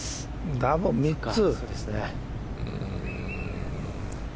ダボ３つ。